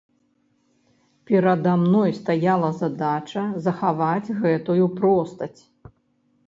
Перада мной стаяла задача захаваць гэтую простасць.